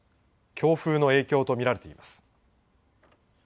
強風の影響と見られています。